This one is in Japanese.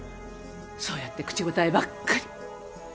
そうやって口答えばっかり。